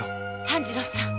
半次郎さん